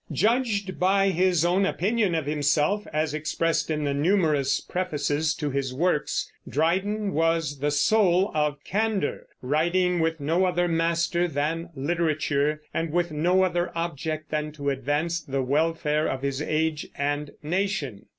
Judged by his own opinion of himself, as expressed in the numerous prefaces to his works, Dryden was the soul of candor, writing with no other master than literature, and with no other object than to advance the welfare of his age and nation.